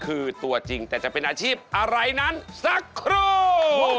คือตัวจริงแต่จะเป็นอาชีพอะไรนั้นสักครู่